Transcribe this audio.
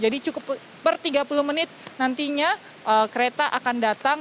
jadi cukup per tiga puluh menit nantinya kereta akan datang